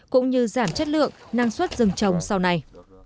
cũng như giảm chất lượng năng suất rừng trồng sau này